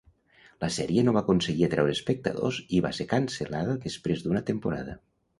La sèrie no va aconseguir atreure espectadors i va ser cancel·lada després d'una temporada.